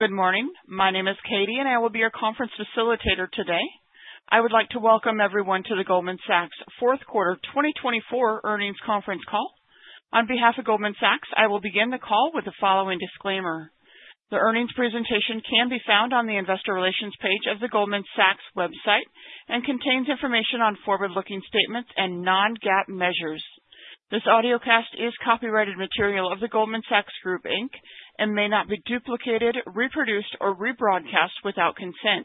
Good morning. My name is Katie, and I will be your conference facilitator today. I would like to welcome everyone to the Goldman Sachs fourth quarter 2024 earnings conference call. On behalf of Goldman Sachs, I will begin the call with the following disclaimer. The earnings presentation can be found on the investor relations page of the Goldman Sachs website and contains information on forward-looking statements and non-GAAP measures. This audio cast is copyrighted material of the Goldman Sachs Group, Inc., and may not be duplicated, reproduced, or rebroadcast without consent.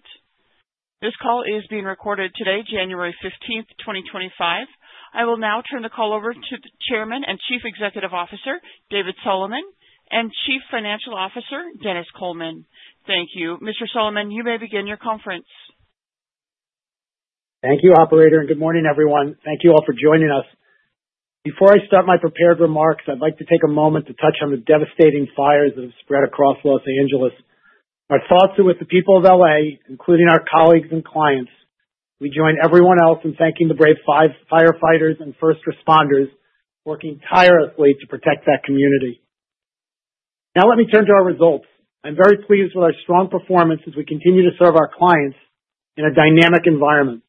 This call is being recorded today, January 15th, 2025. I will now turn the call over to the Chairman and Chief Executive Officer, David Solomon, and Chief Financial Officer, Denis Coleman. Thank you. Mr. Solomon, you may begin your conference. Thank you, Operator, and good morning, everyone. Thank you all for joining us. Before I start my prepared remarks, I'd like to take a moment to touch on the devastating fires that have spread across Los Angeles. Our thoughts are with the people of L.A., including our colleagues and clients. We join everyone else in thanking the brave firefighters and first responders working tirelessly to protect that community. Now, let me turn to our results. I'm very pleased with our strong performance as we continue to serve our clients in a dynamic environment.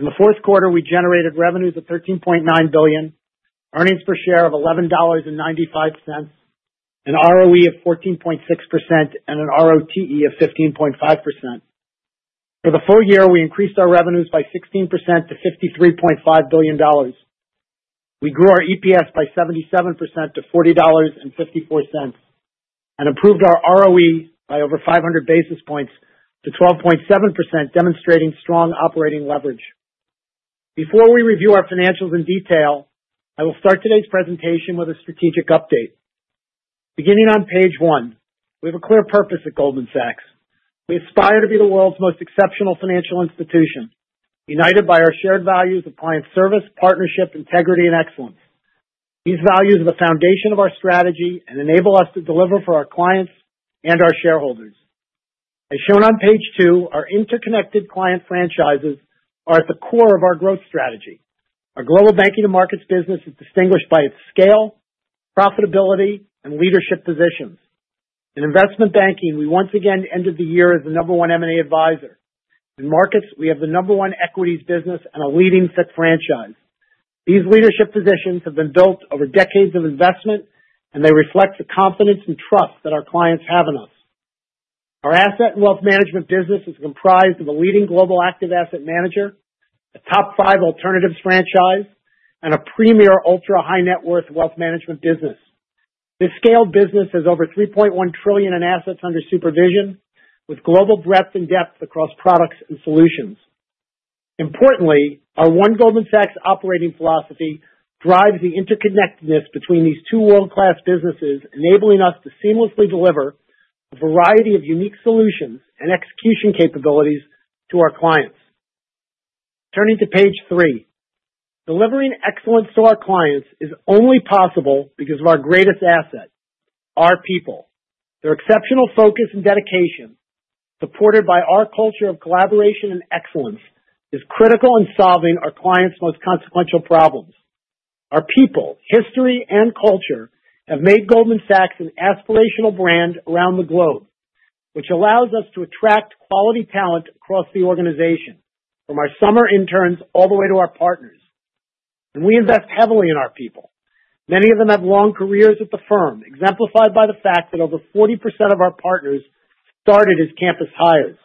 In the fourth quarter, we generated revenues of $13.9 billion, earnings per share of $11.95, an ROE of 14.6%, and an ROTE of 15.5%. For the full year, we increased our revenues by 16% to $53.5 billion. We grew our EPS by 77% to $40.54 and improved our ROE by over 500 basis points to 12.7%, demonstrating strong operating leverage. Before we review our financials in detail, I will start today's presentation with a strategic update. Beginning on page one, we have a clear purpose at Goldman Sachs. We aspire to be the world's most exceptional financial institution, united by our shared values of client service, partnership, integrity, and excellence. These values are the foundation of our strategy and enable us to deliver for our clients and our shareholders. As shown on page two, our interconnected client franchises are at the core of our growth strategy. Our global banking and markets business is distinguished by its scale, profitability, and leadership positions. In investment banking, we once again ended the year as the number one M&A advisor. In markets, we have the number one equities business and a leading FICC franchise. These leadership positions have been built over decades of investment, and they reflect the confidence and trust that our clients have in us. Our asset and wealth management business is comprised of a leading global active asset manager, a top five alternatives franchise, and a premier ultra-high net worth wealth management business. This scaled business has over $3.1 trillion in assets under supervision, with global breadth and depth across products and solutions. Importantly, our One Goldman Sachs operating philosophy drives the interconnectedness between these two world-class businesses, enabling us to seamlessly deliver a variety of unique solutions and execution capabilities to our clients. Turning to page three, delivering excellence to our clients is only possible because of our greatest asset, our people. Their exceptional focus and dedication, supported by our culture of collaboration and excellence, is critical in solving our clients' most consequential problems. Our people, history, and culture have made Goldman Sachs an aspirational brand around the globe, which allows us to attract quality talent across the organization, from our summer interns all the way to our partners. And we invest heavily in our people. Many of them have long careers at the firm, exemplified by the fact that over 40% of our partners started as campus hires.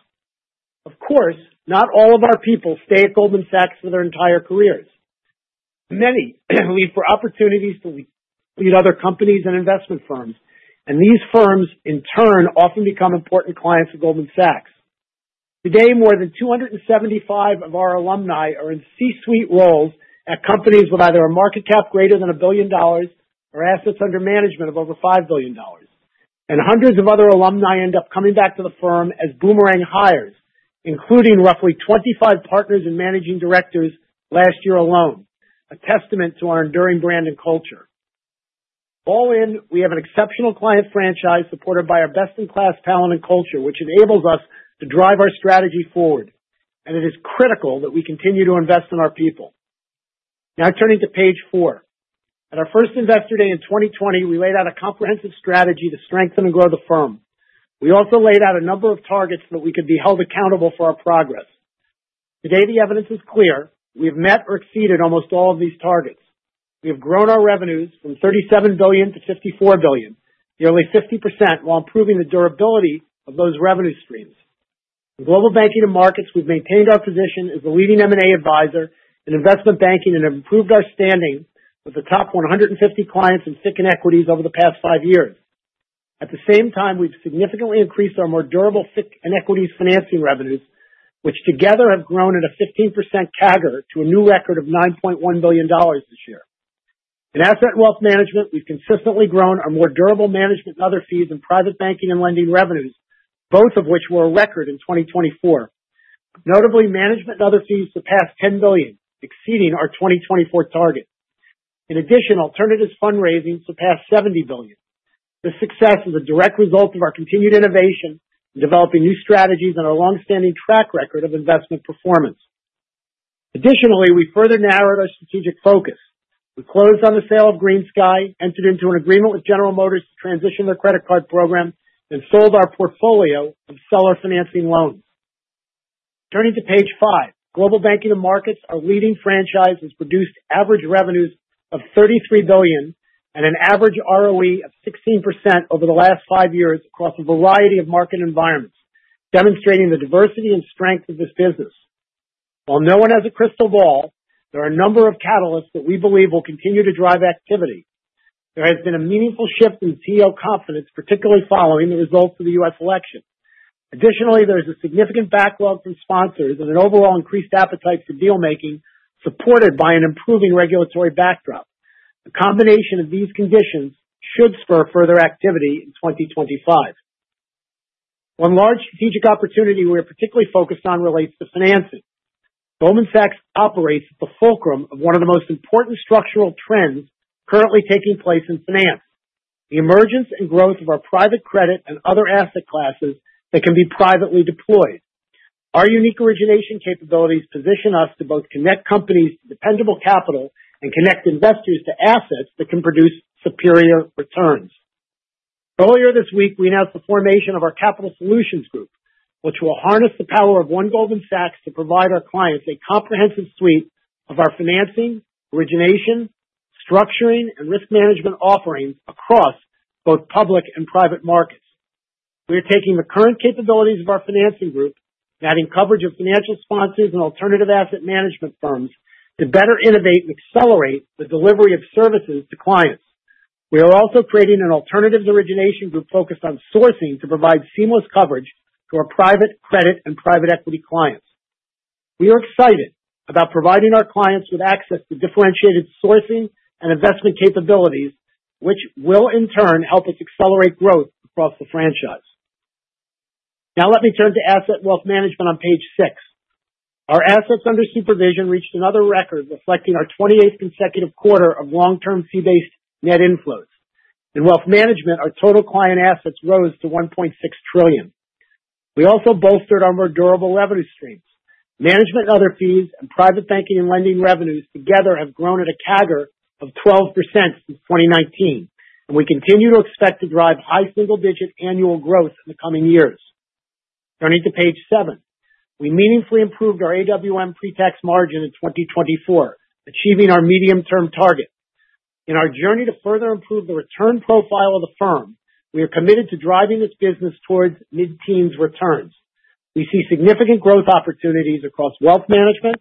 Of course, not all of our people stay at Goldman Sachs for their entire careers. Many leave for opportunities to lead other companies and investment firms, and these firms, in turn, often become important clients of Goldman Sachs. Today, more than 275 of our alumni are in C-suite roles at companies with either a market cap greater than $1 billion or assets under management of over $5 billion. And hundreds of other alumni end up coming back to the firm as boomerang hires, including roughly 25 partners and managing directors last year alone, a testament to our enduring brand and culture. All in, we have an exceptional client franchise supported by our best-in-class talent and culture, which enables us to drive our strategy forward. And it is critical that we continue to invest in our people. Now, turning to page four. At our first Investor Day in 2020, we laid out a comprehensive strategy to strengthen and grow the firm. We also laid out a number of targets so that we could be held accountable for our progress. Today, the evidence is clear. We have met or exceeded almost all of these targets. We have grown our revenues from $37 billion to $54 billion, nearly 50%, while improving the durability of those revenue streams. In global banking and markets, we've maintained our position as the leading M&A advisor in investment banking and improved our standing with the top 150 clients in FICC and equities over the past five years. At the same time, we've significantly increased our more durable FICC and equities financing revenues, which together have grown at a 15% CAGR to a new record of $9.1 billion this year. In Asset and Wealth Management, we've consistently grown our more durable management and other fees in private banking and lending revenues, both of which were a record in 2024. Notably, management and other fees surpassed $10 billion, exceeding our 2024 target. In addition, alternatives fundraising surpassed $70 billion. This success is a direct result of our continued innovation in developing new strategies and our long-standing track record of investment performance. Additionally, we further narrowed our strategic focus. We closed on the sale of GreenSky, entered into an agreement with General Motors to transition their credit card program, and sold our portfolio of seller financing loans. Turning to page five, Global Banking and Markets, our leading franchises produced average revenues of $33 billion and an average ROE of 16% over the last five years across a variety of market environments, demonstrating the diversity and strength of this business. While no one has a crystal ball, there are a number of catalysts that we believe will continue to drive activity. There has been a meaningful shift in CEO confidence, particularly following the results of the U.S. election. Additionally, there is a significant backlog from sponsors and an overall increased appetite for deal-making, supported by an improving regulatory backdrop. The combination of these conditions should spur further activity in 2025. One large strategic opportunity we are particularly focused on relates to financing. Goldman Sachs operates at the fulcrum of one of the most important structural trends currently taking place in finance: the emergence and growth of our private credit and other asset classes that can be privately deployed. Our unique origination capabilities position us to both connect companies to dependable capital and connect investors to assets that can produce superior returns. Earlier this week, we announced the formation of our Capital Solutions Group, which will harness the power of One Goldman Sachs to provide our clients a comprehensive suite of our financing, origination, structuring, and risk management offerings across both public and private markets. We are taking the current capabilities of our financing group and adding coverage of financial sponsors and alternative asset management firms to better innovate and accelerate the delivery of services to clients. We are also creating an alternatives origination group focused on sourcing to provide seamless coverage to our private credit and private equity clients. We are excited about providing our clients with access to differentiated sourcing and investment capabilities, which will, in turn, help us accelerate growth across the franchise. Now, let me turn to Asset and Wealth Management on page six. Our assets under supervision reached another record, reflecting our 28th consecutive quarter of long-term fee-based net inflows. In wealth management, our total client assets rose to $1.6 trillion. We also bolstered our more durable revenue streams. Management and other fees and private banking and lending revenues together have grown at a CAGR of 12% since 2019, and we continue to expect to drive high single-digit annual growth in the coming years. Turning to page seven, we meaningfully improved our AWM pretax margin in 2024, achieving our medium-term target. In our journey to further improve the return profile of the firm, we are committed to driving this business towards mid-teens returns. We see significant growth opportunities across wealth management,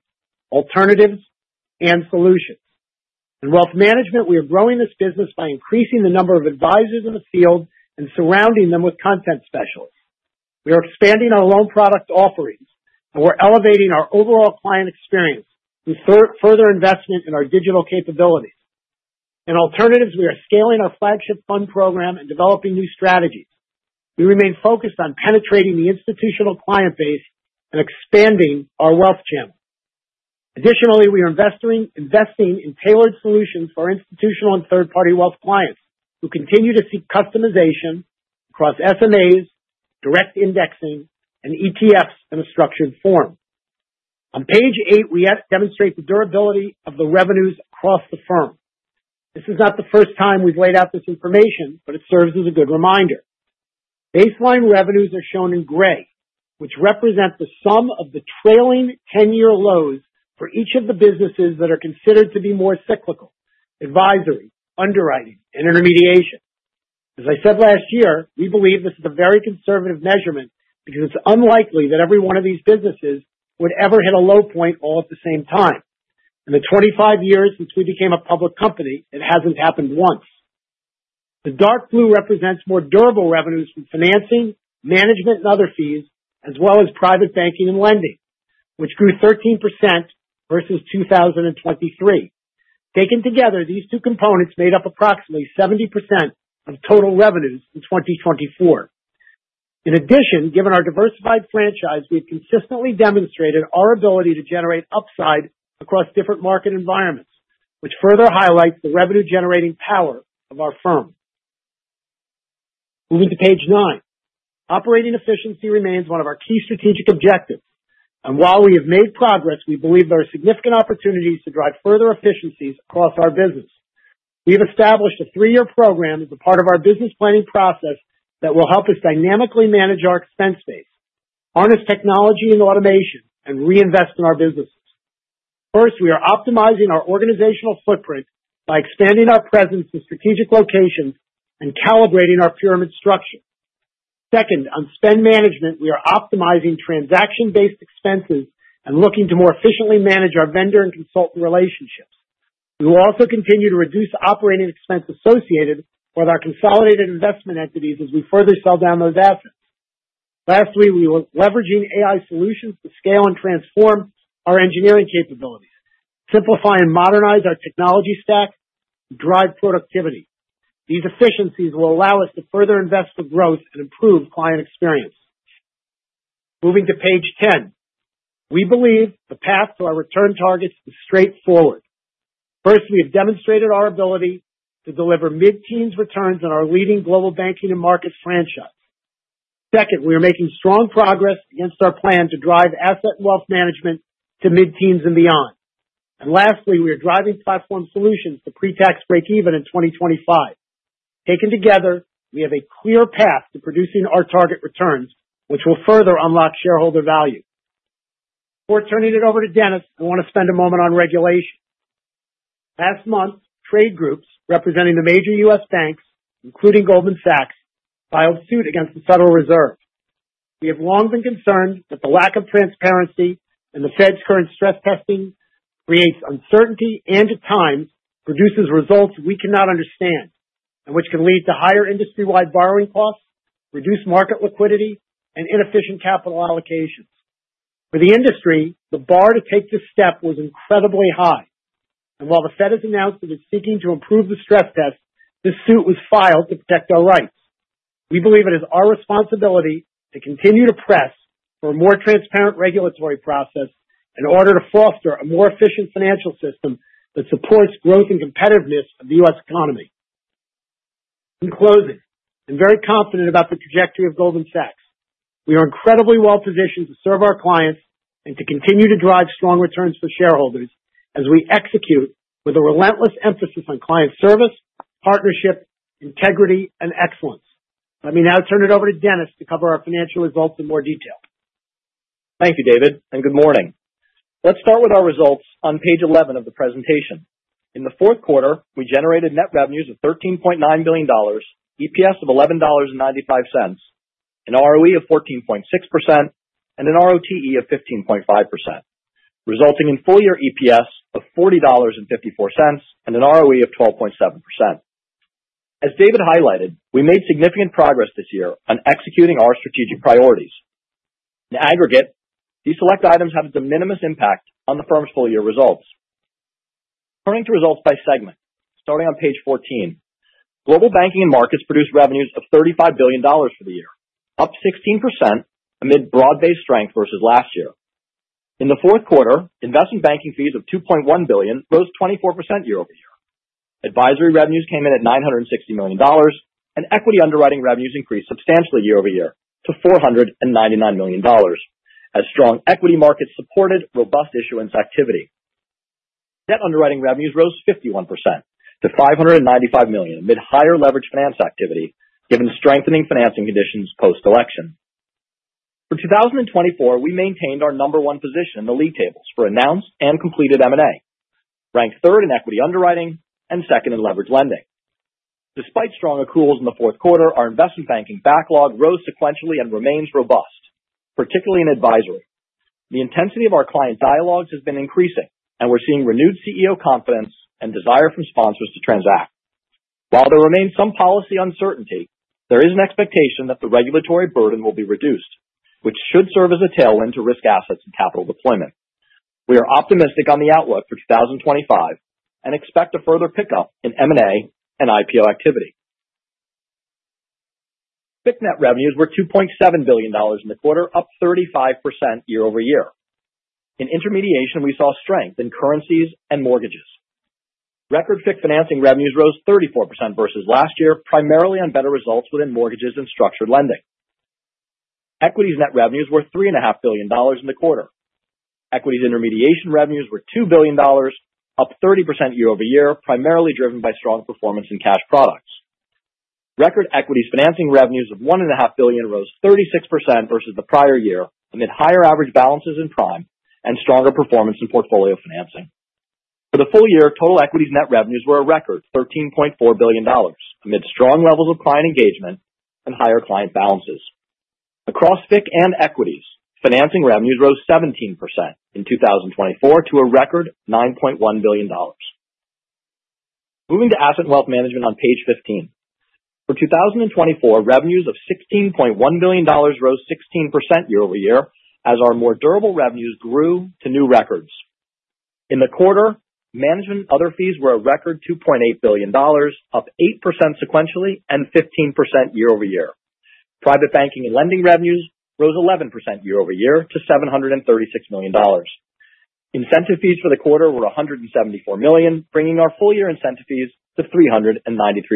alternatives, and solutions. In wealth management, we are growing this business by increasing the number of advisors in the field and surrounding them with content specialists. We are expanding our loan product offerings, and we're elevating our overall client experience through further investment in our digital capabilities. In alternatives, we are scaling our flagship fund program and developing new strategies. We remain focused on penetrating the institutional client base and expanding our wealth channel. Additionally, we are investing in tailored solutions for institutional and third-party wealth clients who continue to seek customization across SMAs, direct indexing, and ETFs in a structured form. On page eight, we demonstrate the durability of the revenues across the firm. This is not the first time we've laid out this information, but it serves as a good reminder. Baseline revenues are shown in gray, which represent the sum of the trailing 10-year lows for each of the businesses that are considered to be more cyclical: advisory, underwriting, and intermediation. As I said last year, we believe this is a very conservative measurement because it's unlikely that every one of these businesses would ever hit a low point all at the same time. In the 25 years since we became a public company, it hasn't happened once. The dark blue represents more durable revenues from financing, management, and other fees, as well as private banking and lending, which grew 13% versus 2023. Taken together, these two components made up approximately 70% of total revenues in 2024. In addition, given our diversified franchise, we have consistently demonstrated our ability to generate upside across different market environments, which further highlights the revenue-generating power of our firm. Moving to page nine, operating efficiency remains one of our key strategic objectives. And while we have made progress, we believe there are significant opportunities to drive further efficiencies across our business. We have established a three-year program as a part of our business planning process that will help us dynamically manage our expense base, harness technology and automation, and reinvest in our businesses. First, we are optimizing our organizational footprint by expanding our presence in strategic locations and calibrating our pyramid structure. Second, on spend management, we are optimizing transaction-based expenses and looking to more efficiently manage our vendor and consultant relationships. We will also continue to reduce operating expense associated with our consolidated investment entities as we further sell down those assets. Lastly, we are leveraging AI solutions to scale and transform our engineering capabilities, simplify and modernize our technology stack, and drive productivity. These efficiencies will allow us to further invest for growth and improve client experience. Moving to page 10, we believe the path to our return targets is straightforward. First, we have demonstrated our ability to deliver mid-teens returns in our leading global banking and markets franchise. Second, we are making strong progress against our plan to drive Asset and Wealth Management to mid-teens and beyond. And lastly, we are driving Platform Solutions to pretax break-even in 2025. Taken together, we have a clear path to producing our target returns, which will further unlock shareholder value. Before turning it over to Denis, I want to spend a moment on regulation. Last month, trade groups representing the major U.S. banks, including Goldman Sachs, filed suit against the Federal Reserve. We have long been concerned that the lack of transparency and the Fed's current stress testing creates uncertainty and, at times, produces results we cannot understand, which can lead to higher industry-wide borrowing costs, reduced market liquidity, and inefficient capital allocations. For the industry, the bar to take this step was incredibly high. And while the Fed has announced that it's seeking to improve the stress test, this suit was filed to protect our rights. We believe it is our responsibility to continue to press for a more transparent regulatory process in order to foster a more efficient financial system that supports growth and competitiveness of the U.S. economy. In closing, I'm very confident about the trajectory of Goldman Sachs. We are incredibly well-positioned to serve our clients and to continue to drive strong returns for shareholders as we execute with a relentless emphasis on client service, partnership, integrity, and excellence. Let me now turn it over to Denis to cover our financial results in more detail. Thank you, David, and good morning. Let's start with our results on page 11 of the presentation. In the fourth quarter, we generated net revenues of $13.9 billion, EPS of $11.95, an ROE of 14.6%, and an ROTE of 15.5%, resulting in full-year EPS of $40.54 and an ROE of 12.7%. As David highlighted, we made significant progress this year on executing our strategic priorities. In aggregate, these select items have the minimal impact on the firm's full-year results. Turning to results by segment, starting on page 14, Global Banking and Markets produced revenues of $35 billion for the year, up 16% amid broad-based strength versus last year. In the fourth quarter, investment banking fees of $2.1 billion rose 24% year-over-year. Advisory revenues came in at $960 million, and equity underwriting revenues increased substantially year-over-year to $499 million as strong equity markets supported robust issuance activity. Debt underwriting revenues rose 51% to $595 million amid higher leveraged finance activity given strengthening financing conditions post-election. For 2024, we maintained our number one position in the league tables for announced and completed M&A, ranked third in equity underwriting and second in leveraged lending. Despite strong accruals in the fourth quarter, our investment banking backlog rose sequentially and remains robust, particularly in advisory. The intensity of our client dialogues has been increasing, and we're seeing renewed CEO confidence and desire from sponsors to transact. While there remains some policy uncertainty, there is an expectation that the regulatory burden will be reduced, which should serve as a tailwind to risk assets and capital deployment. We are optimistic on the outlook for 2025 and expect a further pickup in M&A and IPO activity. FICC net revenues were $2.7 billion in the quarter, up 35% year-over-year. In intermediation, we saw strength in currencies and mortgages. Record FICC financing revenues rose 34% versus last year, primarily on better results within mortgages and structured lending. Equities net revenues were $3.5 billion in the quarter. Equities intermediation revenues were $2 billion, up 30% year over year, primarily driven by strong performance in cash products. Record equities financing revenues of $1.5 billion rose 36% versus the prior year amid higher average balances in prime and stronger performance in portfolio financing. For the full year, total equities net revenues were a record $13.4 billion amid strong levels of client engagement and higher client balances. Across FICC and equities, financing revenues rose 17% in 2024 to a record $9.1 billion. Moving to Asset and Wealth Management on page 15. For 2024, revenues of $16.1 billion rose 16% year over year as our more durable revenues grew to new records. In the quarter, management and other fees were a record $2.8 billion, up 8% sequentially and 15% year over year. Private banking and lending revenues rose 11% year-over-year to $736 million. Incentive fees for the quarter were $174 million, bringing our full-year incentive fees to $393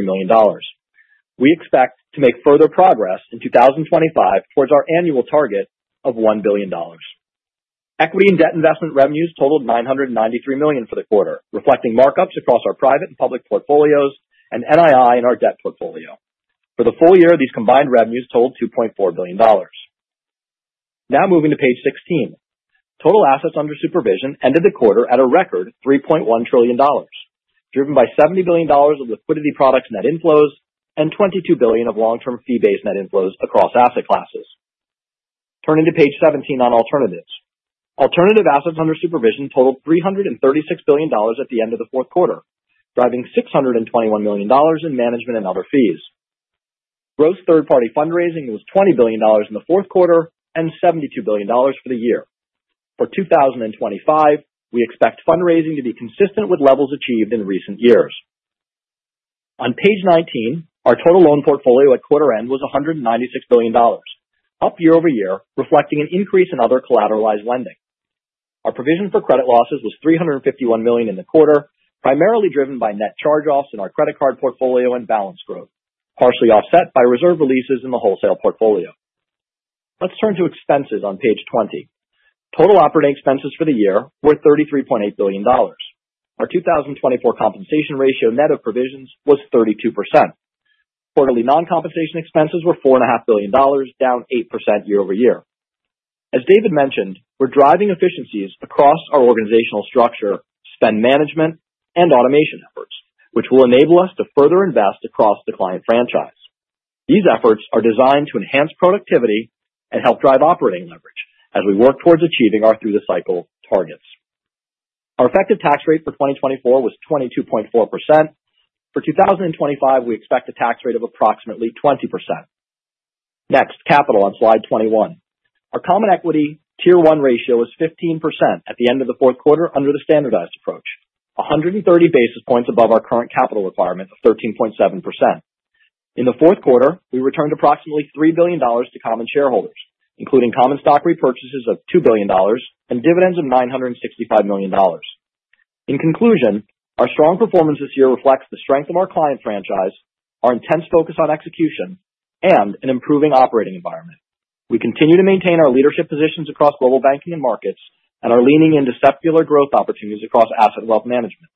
million. We expect to make further progress in 2025 towards our annual target of $1 billion. Equity and debt investment revenues totaled $993 million for the quarter, reflecting markups across our private and public portfolios and NII in our debt portfolio. For the full year, these combined revenues totaled $2.4 billion. Now moving to page 16. Total assets under supervision ended the quarter at a record $3.1 trillion, driven by $70 billion of liquidity products net inflows and $22 billion of long-term fee-based net inflows across asset classes. Turning to page 17 on alternatives. Alternative assets under supervision totaled $336 billion at the end of the fourth quarter, driving $621 million in management and other fees. Gross third-party fundraising was $20 billion in the fourth quarter and $72 billion for the year. For 2025, we expect fundraising to be consistent with levels achieved in recent years. On page 19, our total loan portfolio at quarter end was $196 billion, up year-over-year, reflecting an increase in other collateralized lending. Our provision for credit losses was $351 million in the quarter, primarily driven by net charge-offs in our credit card portfolio and balance growth, partially offset by reserve releases in the wholesale portfolio. Let's turn to expenses on page 20. Total operating expenses for the year were $33.8 billion. Our 2024 compensation ratio net of provisions was 32%. Quarterly non-compensation expenses were $4.5 billion, down 8% year-over-year. As David mentioned, we're driving efficiencies across our organizational structure, spend management, and automation efforts, which will enable us to further invest across the client franchise. These efforts are designed to enhance productivity and help drive operating leverage as we work towards achieving our through-the-cycle targets. Our effective tax rate for 2024 was 22.4%. For 2025, we expect a tax rate of approximately 20%. Next, capital on slide 21. Our common equity tier one ratio is 15% at the end of the fourth quarter under the standardized approach, 130 basis points above our current capital requirement of 13.7%. In the fourth quarter, we returned approximately $3 billion to common shareholders, including common stock repurchases of $2 billion and dividends of $965 million. In conclusion, our strong performance this year reflects the strength of our client franchise, our intense focus on execution, and an improving operating environment. We continue to maintain our leadership positions across Global Banking and Markets and are leaning into secular growth opportunities across Asset and Wealth Management.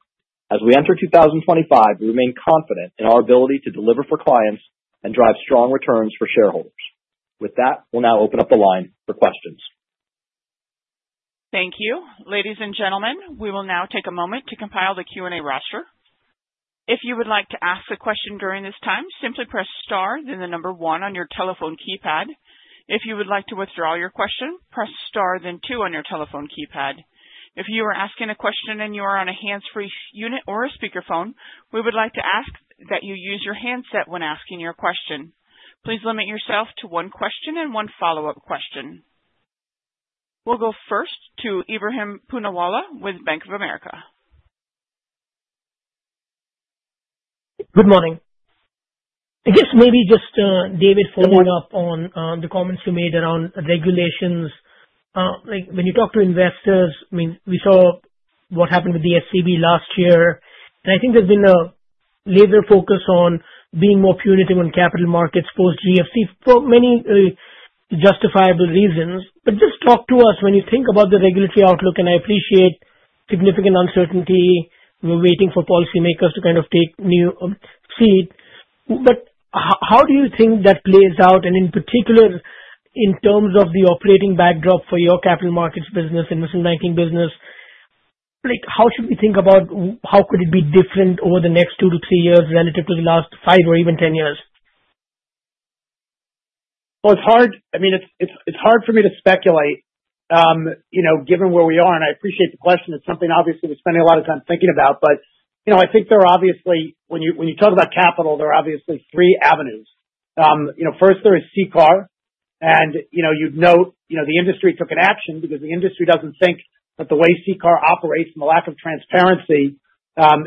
As we enter 2025, we remain confident in our ability to deliver for clients and drive strong returns for shareholders. With that, we'll now open up the line for questions. Thank you. Ladies and gentlemen, we will now take a moment to compile the Q&A roster. If you would like to ask a question during this time, simply press star, then the number one on your telephone keypad. If you would like to withdraw your question, press star, then two on your telephone keypad. If you are asking a question and you are on a hands-free unit or a speakerphone, we would like to ask that you use your handset when asking your question. Please limit yourself to one question and one follow-up question. We'll go first to Ebrahim Poonawala with Bank of America. Good morning. I guess maybe just David following up on the comments you made around regulations. When you talk to investors, I mean, we saw what happened with the SVB last year. And I think there's been a laser focus on being more punitive on capital markets post-GFC for many justifiable reasons. But just talk to us when you think about the regulatory outlook, and I appreciate significant uncertainty. We're waiting for policymakers to kind of take the lead. But how do you think that plays out? And in particular, in terms of the operating backdrop for your capital markets business, investment banking business, how should we think about how could it be different over the next two to three years relative to the last five or even 10 years? Well, it's hard. I mean, it's hard for me to speculate given where we are. And I appreciate the question. It's something, obviously, we spend a lot of time thinking about. But I think there are obviously, when you talk about capital, there are obviously three avenues. First, there is CCAR. And you'd note the industry took an action because the industry doesn't think that the way CCAR operates and the lack of transparency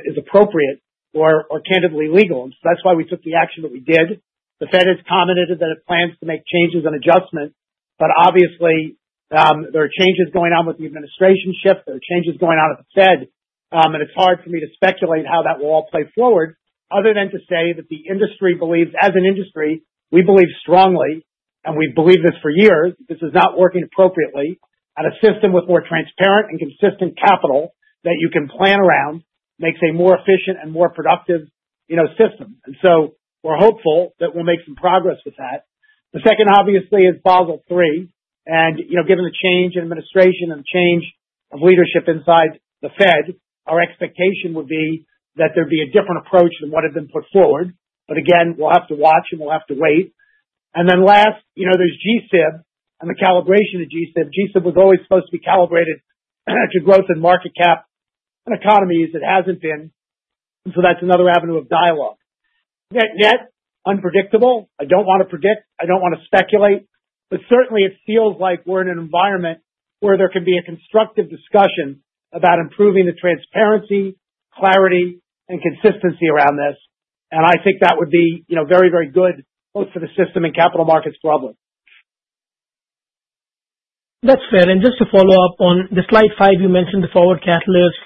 is appropriate or candidly legal. And so that's why we took the action that we did. The Fed has commented that it plans to make changes and adjustments. But obviously, there are changes going on with the administration shift. There are changes going on at the Fed. And it's hard for me to speculate how that will all play forward other than to say that the industry believes, as an industry, we believe strongly, and we've believed this for years, this is not working appropriately, and a system with more transparent and consistent capital that you can plan around makes a more efficient and more productive system. And so we're hopeful that we'll make some progress with that. The second, obviously, is Basel III. And given the change in administration and the change of leadership inside the Fed, our expectation would be that there'd be a different approach than what had been put forward. But again, we'll have to watch, and we'll have to wait. And then last, there's G-SIB and the calibration of G-SIB. G-SIB was always supposed to be calibrated to growth and market cap and economies. It hasn't been. And so that's another avenue of dialogue. Yet, unpredictable. I don't want to predict. I don't want to speculate. But certainly, it feels like we're in an environment where there can be a constructive discussion about improving the transparency, clarity, and consistency around this. And I think that would be very, very good both for the system and capital markets globally. That's fair. Just to follow up on the slide five, you mentioned the forward catalyst,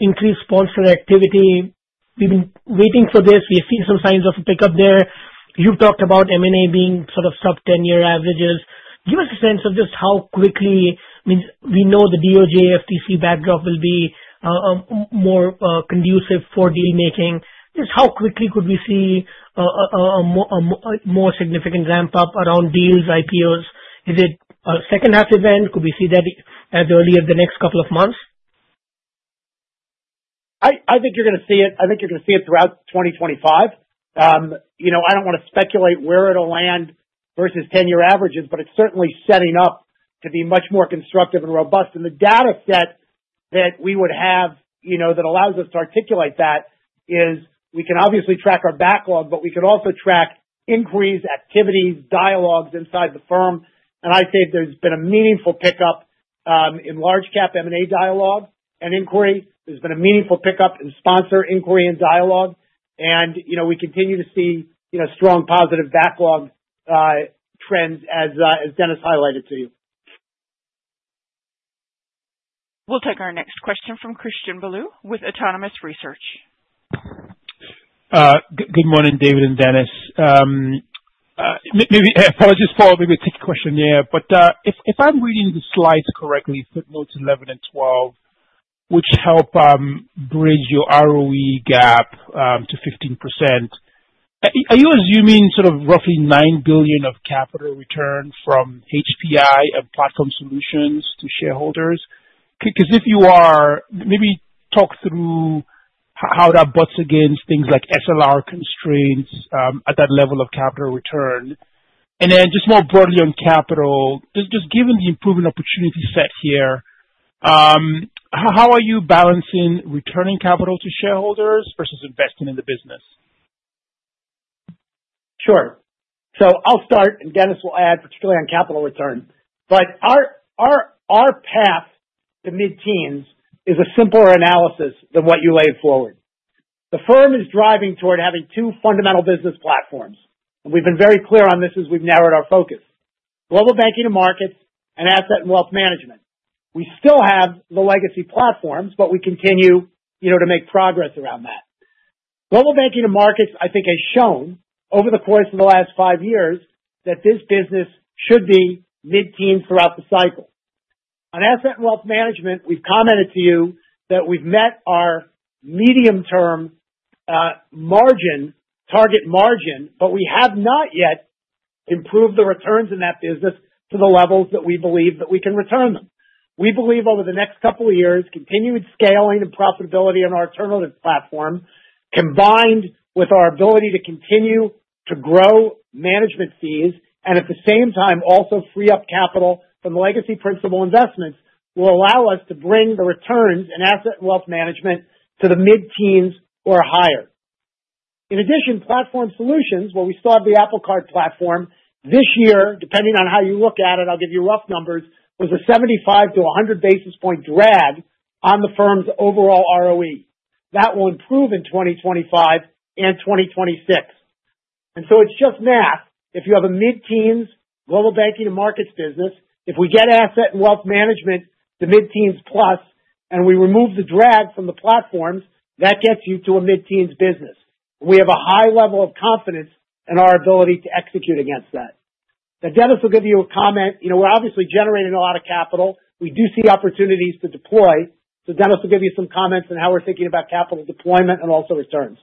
increased sponsor activity. We've been waiting for this. We've seen some signs of a pickup there. You've talked about M&A being sort of sub-ten-year averages. Give us a sense of just how quickly we know the DOJ FTC backdrop will be more conducive for deal-making. Just how quickly could we see a more significant ramp-up around deals, IPOs? Is it a second-half event? Could we see that as early as the next couple of months? I think you're going to see it. I think you're going to see it throughout 2025. I don't want to speculate where it'll land versus 10-year averages, but it's certainly setting up to be much more constructive and robust. The dataset that we would have that allows us to articulate that is we can obviously track our backlog, but we can also track inquiries, activities, dialogues inside the firm. And I'd say there's been a meaningful pickup in large-cap M&A dialogue and inquiry. There's been a meaningful pickup in sponsor inquiry and dialogue. And we continue to see strong positive backlog trends, as Denis highlighted to you. We'll take our next question from Christian Bolu with Autonomous Research. Good morning, David and Denis. Maybe I apologize for maybe a tech question there. But if I'm reading the slides correctly, Footnotes 11 and 12, which help bridge your ROE gap to 15%, are you assuming sort of roughly $9 billion of capital return from HPI and platform solutions to shareholders? Because if you are, maybe talk through how that butts against things like SLR constraints at that level of capital return. And then just more broadly on capital, just given the improvement opportunity set here, how are you balancing returning capital to shareholders versus investing in the business? Sure. So I'll start, and Denis will add, particularly on capital return. But our path, the mid-teens, is a simpler analysis than what you laid forward. The firm is driving toward having two fundamental business platforms. And we've been very clear on this as we've narrowed our focus: Global Banking and Markets and Asset and Wealth Management. We still have the legacy platforms, but we continue to make progress around that. Global Banking and Markets, I think, have shown over the course of the last five years that this business should be mid-teens throughout the cycle. On Asset and Wealth Management, we've commented to you that we've met our medium-term target margin, but we have not yet improved the returns in that business to the levels that we believe that we can return them. We believe over the next couple of years, continued scaling and profitability on our alternative platform, combined with our ability to continue to grow management fees and at the same time also free up capital from legacy principal investments, will allow us to bring the returns in Asset and Wealth Management to the mid-teens or higher. In addition, platform solutions, where we still have the Apple Card platform, this year, depending on how you look at it, I'll give you rough numbers, was a 75 to 100 basis point drag on the firm's overall ROE. That will improve in 2025 and 2026. And so it's just math. If you have a mid-teens Global Banking and Markets business, if we get Asset and Wealth Management to mid-teens plus, and we remove the drag from the platforms, that gets you to a mid-teens business. We have a high level of confidence in our ability to execute against that. Now, Denis will give you a comment. We're obviously generating a lot of capital. We do see opportunities to deploy. So Denis will give you some comments on how we're thinking about capital deployment and also returns.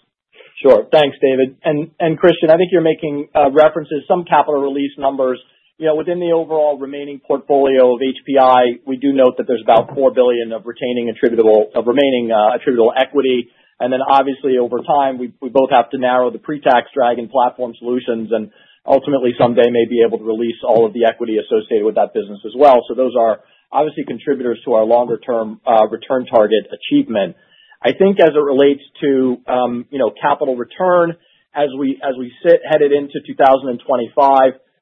Sure. Thanks, David. And Christian, I think you're making references, some capital release numbers. Within the overall remaining portfolio of HPI, we do note that there's about $4 billion of remaining attributable equity. And then obviously, over time, we both have to narrow the pre-tax drag in Platform Solutions and ultimately someday may be able to release all of the equity associated with that business as well. So those are obviously contributors to our longer-term return target achievement. I think as it relates to capital return, as we sit headed into 2025,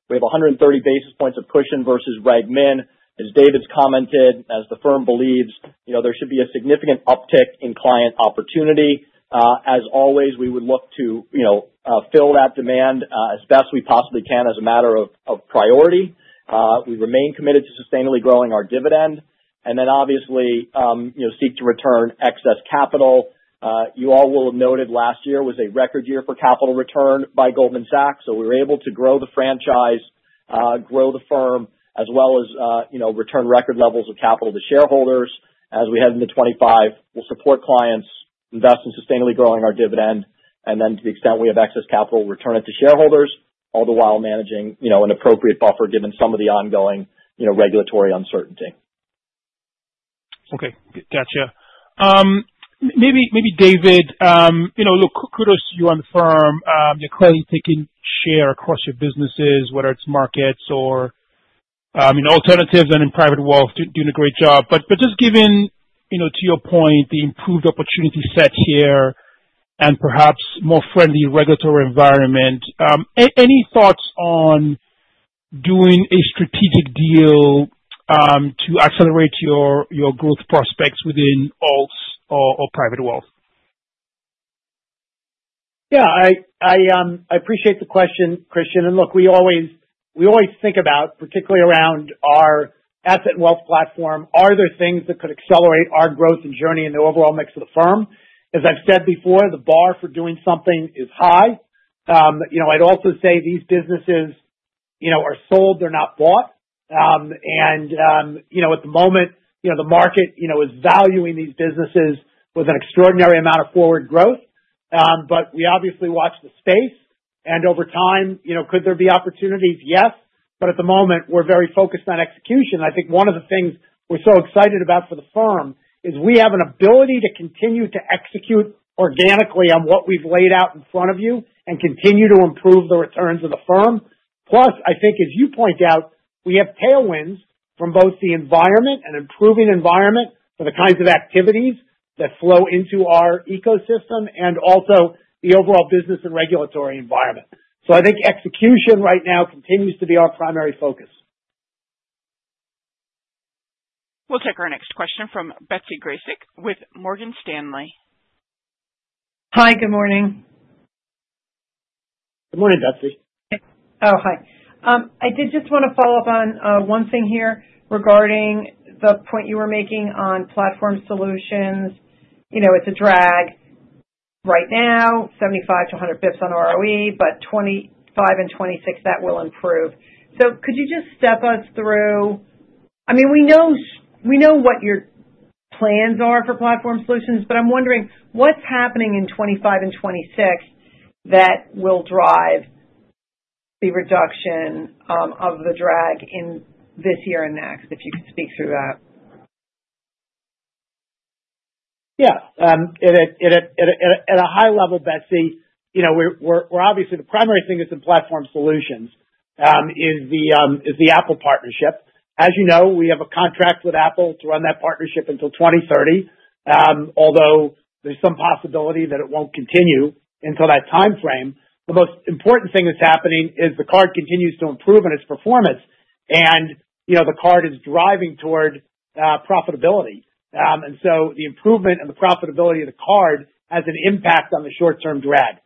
we have 130 basis points of cushion versus reg min. As David's commented, as the firm believes, there should be a significant uptick in client opportunity. As always, we would look to fill that demand as best we possibly can as a matter of priority. We remain committed to sustainably growing our dividend. And then obviously, seek to return excess capital. You all will have noted last year was a record year for capital return by Goldman Sachs. So we were able to grow the franchise, grow the firm, as well as return record levels of capital to shareholders. As we head into 2025, we'll support clients, invest in sustainably growing our dividend, and then to the extent we have excess capital, return it to shareholders, all the while managing an appropriate buffer given some of the ongoing regulatory uncertainty. Okay. Gotcha. Maybe David, look, kudos to you on the firm. You're clearly taking share across your businesses, whether it's markets or alternatives and in private wealth, doing a great job. But just given, to your point, the improved opportunity set here and perhaps more friendly regulatory environment, any thoughts on doing a strategic deal to accelerate your growth prospects within alts or private wealth? Yeah. I appreciate the question, Christian. And look, we always think about, particularly around our asset and wealth platform, are there things that could accelerate our growth and journey in the overall mix of the firm? As I've said before, the bar for doing something is high. I'd also say these businesses are sold. They're not bought. And at the moment, the market is valuing these businesses with an extraordinary amount of forward growth. But we obviously watch the space. And over time, could there be opportunities? Yes. But at the moment, we're very focused on execution. I think one of the things we're so excited about for the firm is we have an ability to continue to execute organically on what we've laid out in front of you and continue to improve the returns of the firm. Plus, I think, as you point out, we have tailwinds from both the environment and improving environment for the kinds of activities that flow into our ecosystem and also the overall business and regulatory environment. So I think execution right now continues to be our primary focus. We'll take our next question from Betsy Graseck with Morgan Stanley. Hi. Good morning. Good morning, Betsy. Oh, hi. I did just want to follow up on one thing here regarding the point you were making on Platform Solutions. It's a drag right now, 75 to 100 basis points on ROE, but 2025 and 2026, that will improve. So could you just step us through? I mean, we know what your plans are for Platform Solutions, but I'm wondering what's happening in 2025 and 2026 that will drive the reduction of the drag in this year and next, if you could speak through that. Yeah. At a high level, Betsy, we're obviously the primary thing is the platform solutions, is the Apple partnership. As you know, we have a contract with Apple to run that partnership until 2030, although there's some possibility that it won't continue until that time frame. The most important thing that's happening is the card continues to improve in its performance, and the card is driving toward profitability. And so the improvement and the profitability of the card has an impact on the short-term drag.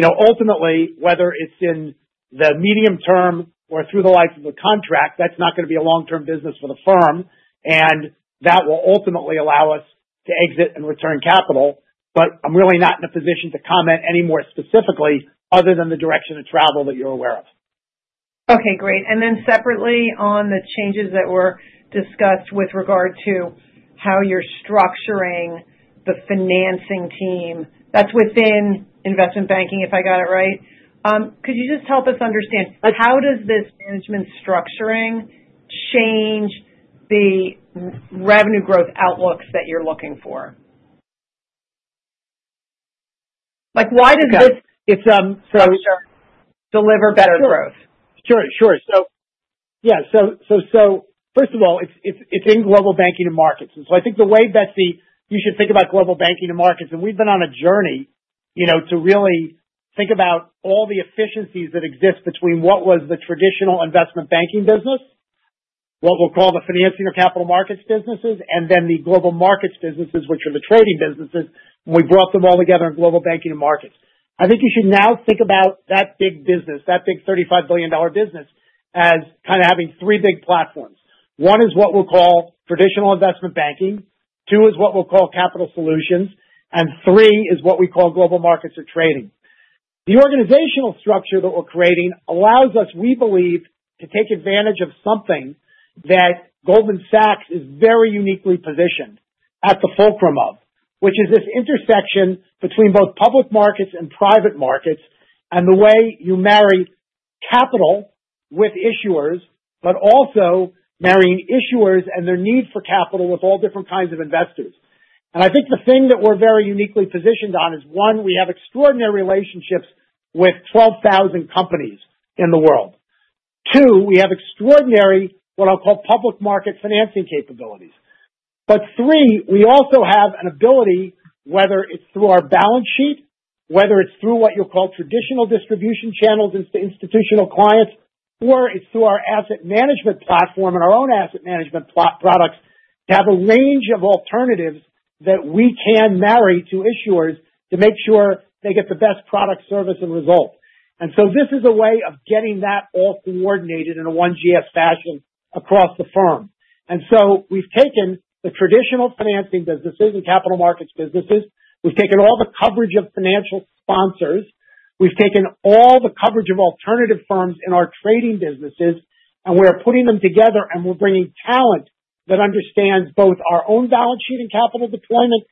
Ultimately, whether it's in the medium term or through the life of the contract, that's not going to be a long-term business for the firm, and that will ultimately allow us to exit and return capital. But I'm really not in a position to comment any more specifically other than the direction of travel that you're aware of. Okay. Great. Then separately on the changes that were discussed with regard to how you're structuring the financing team, that's within Investment Banking, if I got it right. Could you just help us understand how does this management structuring change the revenue growth outlooks that you're looking for? Why does this structure deliver better growth? Sure. So yeah. So first of all, it's in Global Banking and Markets. And so I think the way, Betsy, you should think about Global Banking and Markets. And we've been on a journey to really think about all the efficiencies that exist between what was the traditional Investment Banking business, what we'll call the financing or capital markets businesses, and then the Global Markets businesses, which are the trading businesses. And we brought them all together in Global Banking and Markets. I think you should now think about that big business, that big $35 billion business, as kind of having three big platforms. One is what we'll call traditional investment banking. Two is what we'll call capital solutions. And three is what we call global markets or trading. The organizational structure that we're creating allows us, we believe, to take advantage of something that Goldman Sachs is very uniquely positioned at the fulcrum of, which is this intersection between both public markets and private markets and the way you marry capital with issuers, but also marrying issuers and their need for capital with all different kinds of investors. I think the thing that we're very uniquely positioned on is, one, we have extraordinary relationships with 12,000 companies in the world. Two, we have extraordinary, what I'll call, public market financing capabilities. But three, we also have an ability, whether it's through our balance sheet, whether it's through what you'll call traditional distribution channels and institutional clients, or it's through our asset management platform and our own asset management products to have a range of alternatives that we can marry to issuers to make sure they get the best product, service, and result, and so this is a way of getting that all coordinated in a One GS Fashion across the firm, and so we've taken the traditional financing businesses and capital markets businesses. We've taken all the coverage of financial sponsors. We've taken all the coverage of alternative firms in our trading businesses, and we're putting them together, and we're bringing talent that understands both our own balance sheet and capital deployment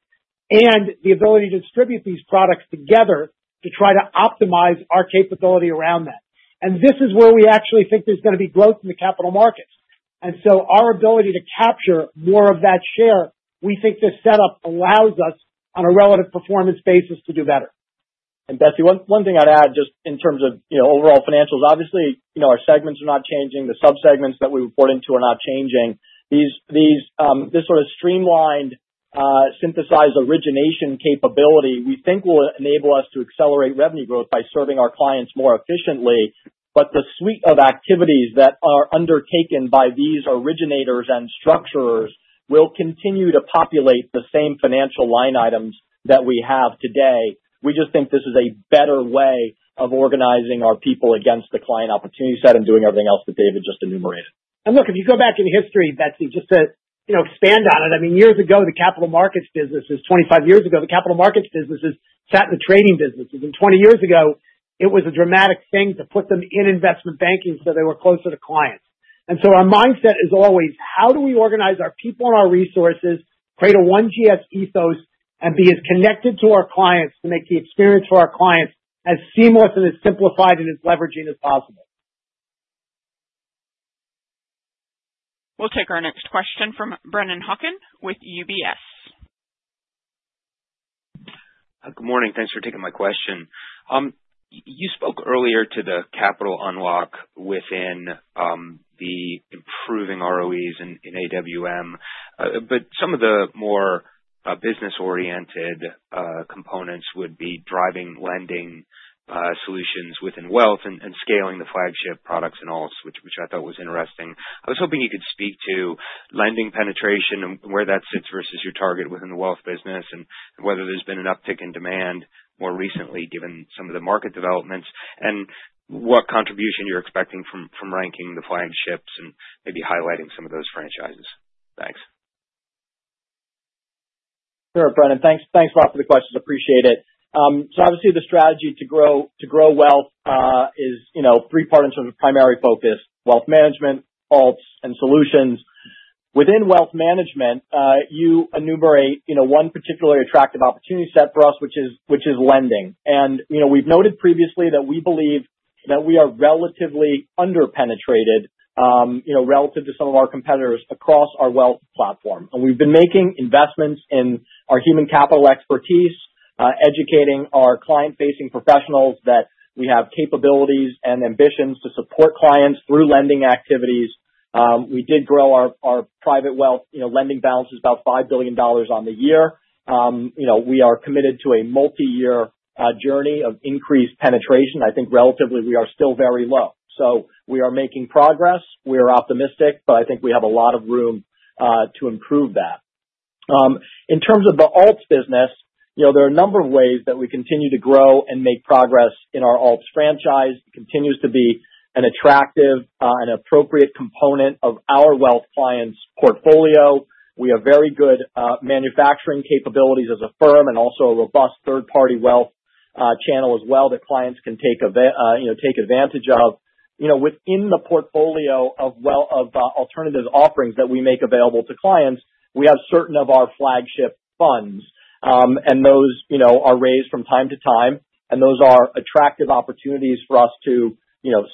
and the ability to distribute these products together to try to optimize our capability around that. And this is where we actually think there's going to be growth in the capital markets. And so our ability to capture more of that share, we think this setup allows us, on a relative performance basis, to do better. And Betsy, one thing I'd add just in terms of overall financials, obviously, our segments are not changing. The subsegments that we report into are not changing. This sort of streamlined, synthesized origination capability we think will enable us to accelerate revenue growth by serving our clients more efficiently. But the suite of activities that are undertaken by these originators and structurers will continue to populate the same financial line items that we have today. We just think this is a better way of organizing our people against the client opportunity set and doing everything else that David just enumerated. Look, if you go back in history, Betsy, just to expand on it, I mean, years ago, the capital markets businesses, 25 years ago, the capital markets businesses sat in the trading businesses. And 20 years ago, it was a dramatic thing to put them in investment banking so they were closer to clients. And so our mindset is always, how do we organize our people and our resources, create a one-GS ethos, and be as connected to our clients to make the experience for our clients as seamless and as simplified and as leveraging as possible? We'll take our next question from Brennan Hawken with UBS. Good morning. Thanks for taking my question. You spoke earlier to the capital unlock within the improving ROEs in AWM, but some of the more business-oriented components would be driving lending solutions within wealth and scaling the flagship products and all, which I thought was interesting. I was hoping you could speak to lending penetration and where that sits versus your target within the wealth business and whether there's been an uptick in demand more recently given some of the market developments and what contribution you're expecting from ranking the flagships and maybe highlighting some of those franchises. Thanks. Sure, Brennan. Thanks a lot for the questions. Appreciate it. So obviously, the strategy to grow wealth is three-part in terms of primary focus: wealth management, alts, and solutions. Within wealth management, you enumerate one particular attractive opportunity set for us, which is lending. We've noted previously that we believe that we are relatively under-penetrated relative to some of our competitors across our wealth platform. We've been making investments in our human capital expertise, educating our client-facing professionals that we have capabilities and ambitions to support clients through lending activities. We did grow our private wealth lending balances about $5 billion on the year. We are committed to a multi-year journey of increased penetration. I think relatively, we are still very low. We are making progress. We are optimistic, but I think we have a lot of room to improve that. In terms of the alts business, there are a number of ways that we continue to grow and make progress in our alts franchise. It continues to be an attractive and appropriate component of our wealth clients' portfolio. We have very good manufacturing capabilities as a firm and also a robust third-party wealth channel as well that clients can take advantage of. Within the portfolio of alternatives offerings that we make available to clients, we have certain of our flagship funds, and those are raised from time to time. And those are attractive opportunities for us to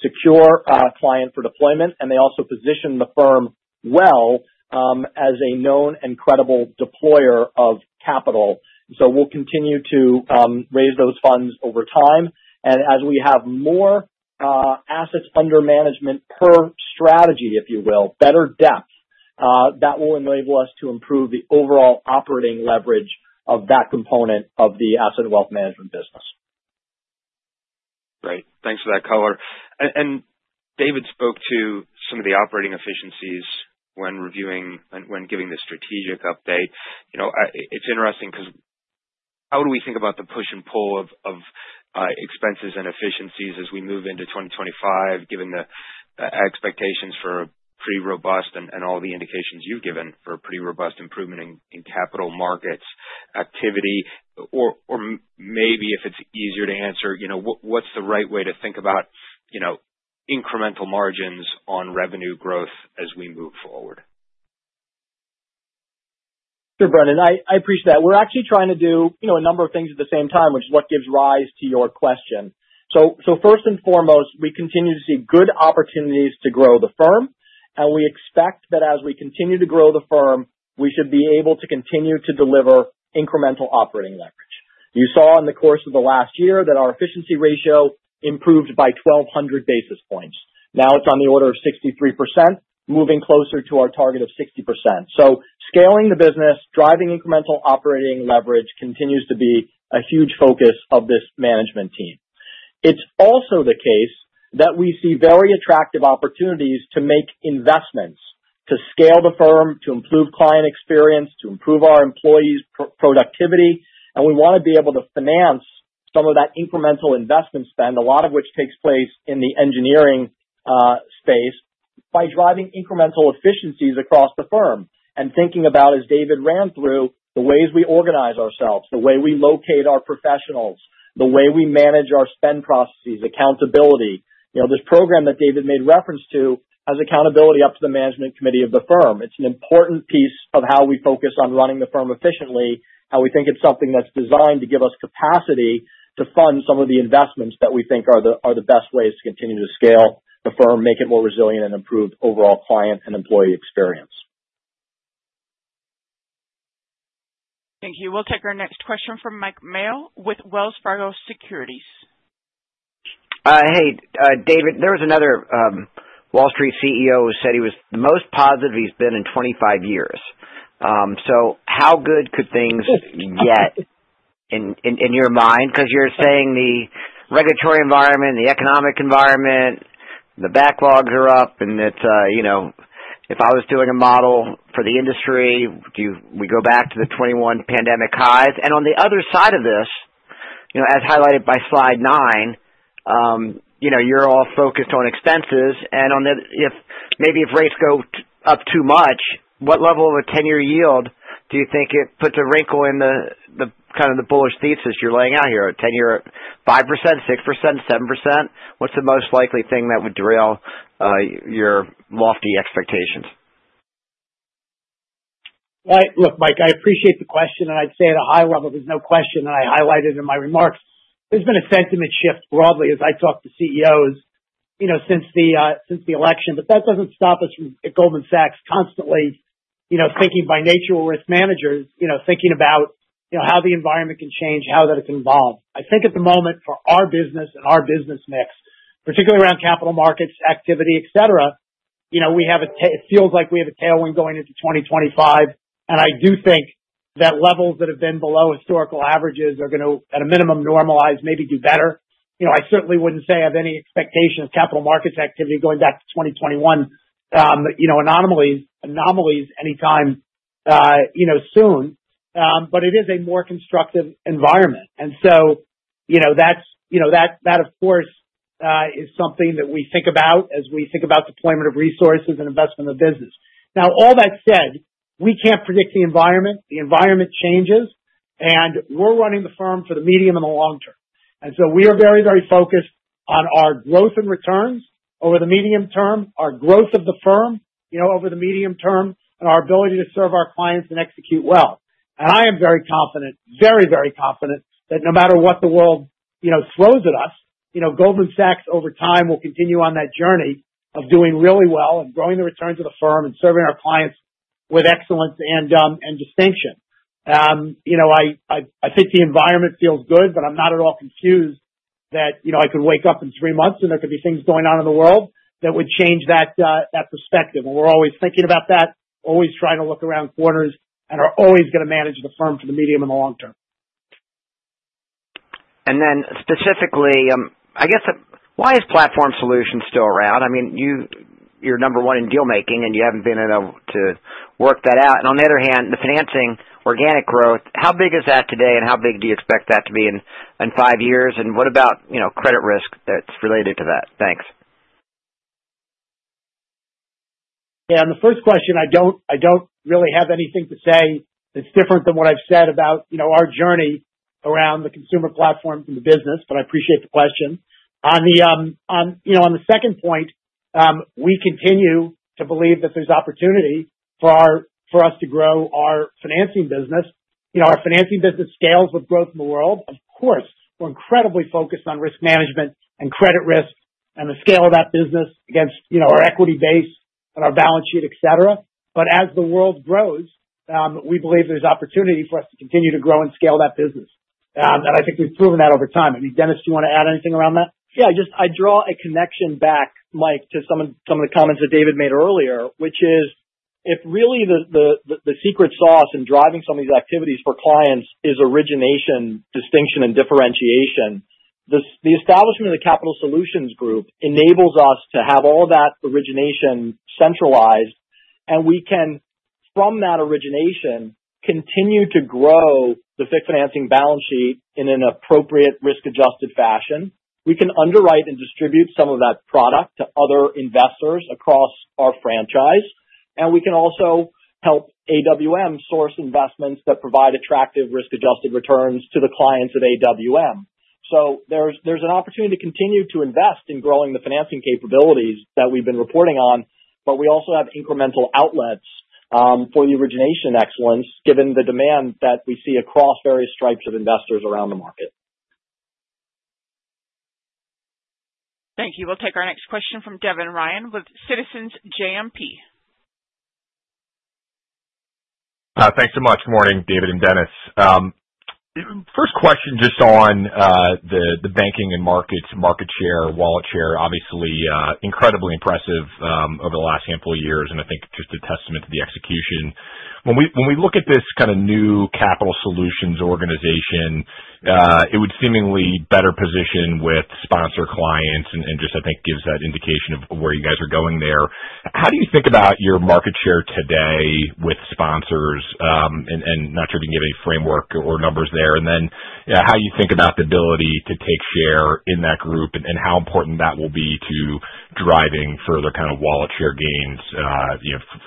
secure a client for deployment, and they also position the firm well as a known and credible deployer of capital. So we'll continue to raise those funds over time. And as we have more assets under management per strategy, if you will, better depth, that will enable us to improve the overall operating leverage of that component of the Asset and Wealth Management business. Great. Thanks for that color, and David spoke to some of the operating efficiencies when giving this strategic update. It's interesting because how do we think about the push and pull of expenses and efficiencies as we move into 2025, given the expectations for pretty robust and all the indications you've given for pretty robust improvement in capital markets activity? Or maybe, if it's easier to answer, what's the right way to think about incremental margins on revenue growth as we move forward? Sure, Brennan. I appreciate that. We're actually trying to do a number of things at the same time, which is what gives rise to your question. So first and foremost, we continue to see good opportunities to grow the firm, and we expect that as we continue to grow the firm, we should be able to continue to deliver incremental operating leverage. You saw in the course of the last year that our efficiency ratio improved by 1,200 basis points. Now it's on the order of 63%, moving closer to our target of 60%. So scaling the business, driving incremental operating leverage continues to be a huge focus of this management team. It's also the case that we see very attractive opportunities to make investments, to scale the firm, to improve client experience, to improve our employees' productivity. And we want to be able to finance some of that incremental investment spend, a lot of which takes place in the engineering space, by driving incremental efficiencies across the firm and thinking about, as David ran through, the ways we organize ourselves, the way we locate our professionals, the way we manage our spend processes, accountability. This program that David made reference to has accountability up to the management committee of the firm. It's an important piece of how we focus on running the firm efficiently, how we think it's something that's designed to give us capacity to fund some of the investments that we think are the best ways to continue to scale the firm, make it more resilient, and improve overall client and employee experience. Thank you. We'll take our next question from Mike Mayo with Wells Fargo Securities. Hey, David, there was another Wall Street CEO who said he was the most positive he's been in 25 years. So how good could things get in your mind? Because you're saying the regulatory environment, the economic environment, the backlogs are up, and if I was doing a model for the industry, we go back to the 2021 pandemic highs. And on the other side of this, as highlighted by slide nine, you're all focused on expenses. And maybe if rates go up too much, what level of a 10-year yield do you think it puts a wrinkle in the kind of the bullish thesis you're laying out here? A 10-year at 5%, 6%, 7%? What's the most likely thing that would derail your lofty expectations? Look, Mike, I appreciate the question, and I'd say at a high level, there's no question, and I highlighted in my remarks, there's been a sentiment shift broadly as I talk to CEOs since the election. But that doesn't stop us from at Goldman Sachs constantly thinking by nature or as managers thinking about how the environment can change, how that it's involved. I think at the moment for our business and our business mix, particularly around capital markets activity, etc., it feels like we have a tailwind going into 2025. I do think that levels that have been below historical averages are going to, at a minimum, normalize, maybe do better. I certainly wouldn't say I have any expectation of capital markets activity going back to 2021 anomalies anytime soon, but it is a more constructive environment. That, of course, is something that we think about as we think about deployment of resources and investment of business. Now, all that said, we can't predict the environment. The environment changes, and we're running the firm for the medium and the long term. We are very, very focused on our growth and returns over the medium term, our growth of the firm over the medium term, and our ability to serve our clients and execute well. And I am very confident, very, very confident that no matter what the world throws at us, Goldman Sachs over time will continue on that journey of doing really well and growing the returns of the firm and serving our clients with excellence and distinction. I think the environment feels good, but I'm not at all confused that I could wake up in three months and there could be things going on in the world that would change that perspective. And we're always thinking about that, always trying to look around corners, and are always going to manage the firm for the medium and the long term. And then specifically, I guess, why is Platform Solutions still around? I mean, you're number one in dealmaking, and you haven't been able to work that out. And on the other hand, the financing organic growth, how big is that today, and how big do you expect that to be in five years? And what about credit risk that's related to that? Thanks. Yeah. On the first question, I don't really have anything to say that's different than what I've said about our journey around the consumer platforms and the business, but I appreciate the question. On the second point, we continue to believe that there's opportunity for us to grow our financing business. Our financing business scales with growth in the world. Of course, we're incredibly focused on risk management and credit risk and the scale of that business against our equity base and our balance sheet, etc. But as the world grows, we believe there's opportunity for us to continue to grow and scale that business. And I think we've proven that over time. I mean, Denis, do you want to add anything around that? Yeah. I draw a connection back, Mike, to some of the comments that David made earlier, which is if really the secret sauce in driving some of these activities for clients is origination, distinction, and differentiation, the establishment of the Capital Solutions Group enables us to have all that origination centralized, and we can, from that origination, continue to grow the fixed financing balance sheet in an appropriate risk-adjusted fashion. We can underwrite and distribute some of that product to other investors across our franchise, and we can also help AWM source investments that provide attractive risk-adjusted returns to the clients of AWM. So there's an opportunity to continue to invest in growing the financing capabilities that we've been reporting on, but we also have incremental outlets for the origination excellence given the demand that we see across various stripes of investors around the market. Thank you. We'll take our next question from Devin Ryan with Citizens JMP. Thanks so much. Good morning, David and Denis. First question just on the banking and markets, market share, wallet share, obviously incredibly impressive over the last handful of years, and I think just a testament to the execution. When we look at this kind of new capital solutions organization, it would seemingly be better positioned with sponsor clients and just, I think, gives that indication of where you guys are going there. How do you think about your market share today with sponsors? And not sure if you can give any framework or numbers there. And then how do you think about the ability to take share in that group and how important that will be to driving further kind of wallet share gains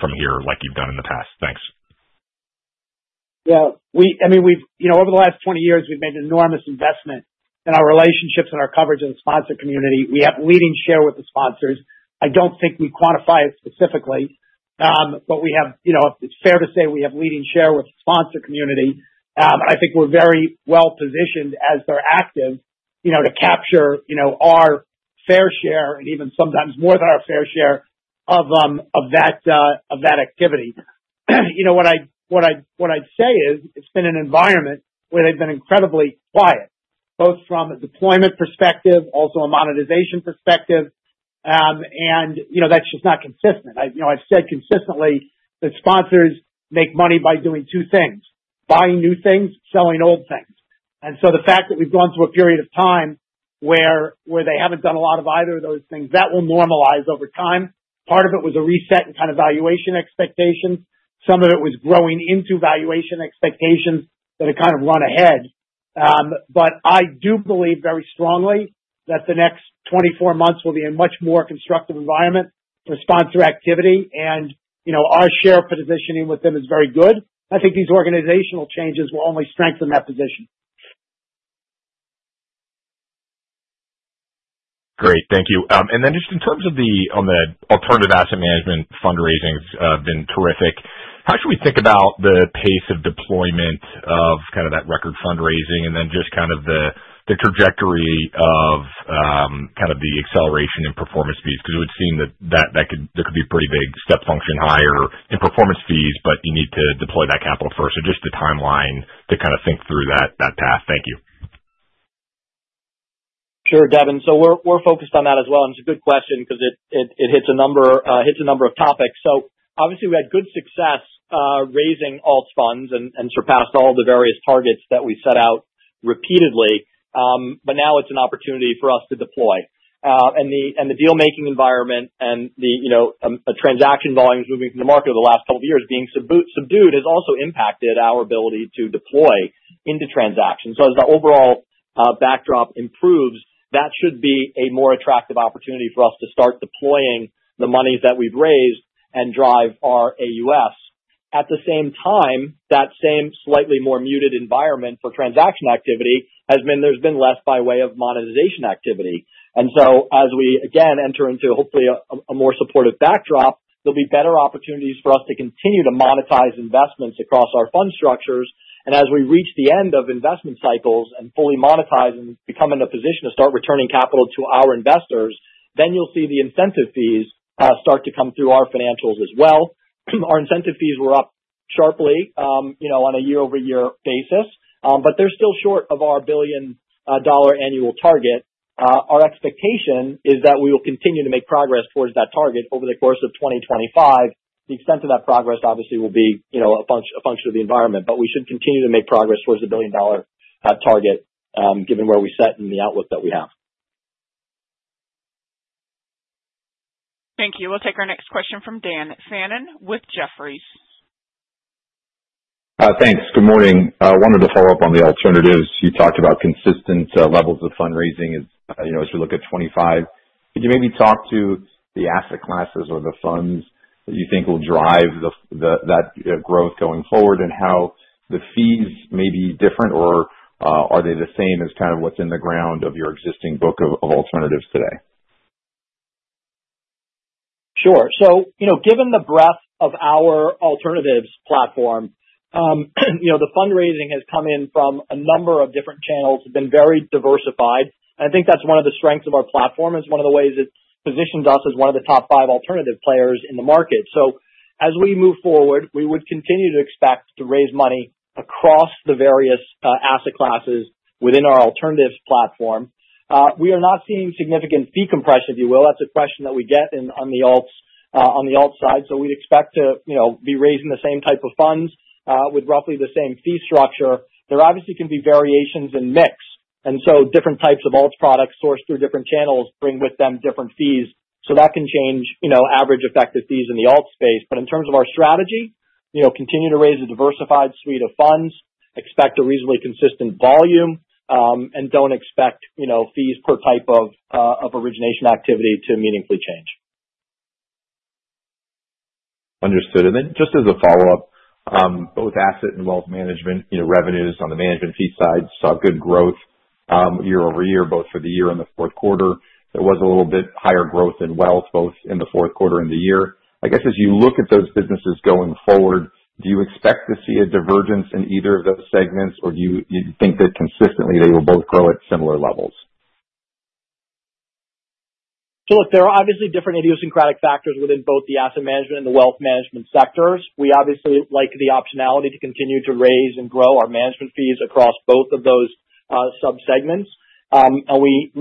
from here like you've done in the past? Thanks. Yeah. I mean, over the last 20 years, we've made an enormous investment in our relationships and our coverage of the sponsor community. We have leading share with the sponsors. I don't think we quantify it specifically, but it's fair to say we have leading share with the sponsor community. I think we're very well positioned as they're active to capture our fair share and even sometimes more than our fair share of that activity. What I'd say is it's been an environment where they've been incredibly quiet, both from a deployment perspective, also a monetization perspective, and that's just not consistent. I've said consistently that sponsors make money by doing two things: buying new things, selling old things, and so the fact that we've gone through a period of time where they haven't done a lot of either of those things, that will normalize over time. Part of it was a reset in kind of valuation expectations. Some of it was growing into valuation expectations that have kind of run ahead, but I do believe very strongly that the next 24 months will be a much more constructive environment for sponsor activity, and our share positioning with them is very good. I think these organizational changes will only strengthen that position. Great. Thank you, and then just in terms of the alternative asset management fundraising has been terrific. How should we think about the pace of deployment of kind of that record fundraising and then just kind of the trajectory of kind of the acceleration in performance fees? Because it would seem that there could be a pretty big step function higher in performance fees, but you need to deploy that capital first. So just the timeline to kind of think through that path. Thank you. Sure, Devin. So we're focused on that as well. And it's a good question because it hits a number of topics. So obviously, we had good success raising all funds and surpassed all the various targets that we set out repeatedly. But now it's an opportunity for us to deploy. And the dealmaking environment and the transaction volumes moving from the market over the last couple of years being subdued has also impacted our ability to deploy into transactions. So as the overall backdrop improves, that should be a more attractive opportunity for us to start deploying the monies that we've raised and drive our AUS. At the same time, that same slightly more muted environment for transaction activity has been less by way of monetization activity. And so as we, again, enter into hopefully a more supportive backdrop, there'll be better opportunities for us to continue to monetize investments across our fund structures. And as we reach the end of investment cycles and fully monetize and become in a position to start returning capital to our investors, then you'll see the incentive fees start to come through our financials as well. Our incentive fees were up sharply on a year-over-year basis, but they're still short of our billion-dollar annual target. Our expectation is that we will continue to make progress towards that target over the course of 2025. The extent of that progress obviously will be a function of the environment, but we should continue to make progress towards the billion-dollar target given where we set and the outlook that we have. Thank you. We'll take our next question from Dan Fannon with Jefferies. Thanks. Good morning. I wanted to follow up on the alternatives. You talked about consistent levels of fundraising as we look at 2025. Could you maybe talk to the asset classes or the funds that you think will drive that growth going forward and how the fees may be different, or are they the same as kind of what's in the ground of your existing book of alternatives today? Sure. So given the breadth of our alternatives platform, the fundraising has come in from a number of different channels. It's been very diversified. And I think that's one of the strengths of our platform as one of the ways it positions us as one of the top five alternative players in the market. So as we move forward, we would continue to expect to raise money across the various asset classes within our alternatives platform. We are not seeing significant fee compression, if you will. That's a question that we get on the alts side. So we'd expect to be raising the same type of funds with roughly the same fee structure. There obviously can be variations in mix. And so different types of alts products sourced through different channels bring with them different fees. So that can change average effective fees in the alts space. But in terms of our strategy, continue to raise a diversified suite of funds, expect a reasonably consistent volume, and don't expect fees per type of origination activity to meaningfully change. Understood. And then just as a follow-up, both Asset and Wealth Management revenues on the management fee side saw good growth year over year, both for the year and the fourth quarter. There was a little bit higher growth in wealth both in the fourth quarter and the year. I guess as you look at those businesses going forward, do you expect to see a divergence in either of those segments, or do you think that consistently they will both grow at similar levels? So look, there are obviously different idiosyncratic factors within both the Asset Management and the Wealth Management sectors. We obviously like the optionality to continue to raise and grow our management fees across both of those subsegments. And we